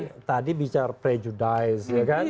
jadi tadi bicara prejudis ya kan